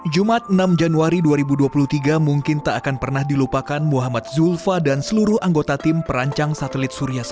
jumat enam januari dua ribu dua puluh tiga mungkin tak akan pernah dilupakan muhammad zulfa dan seluruh anggota tim perancang satelit surya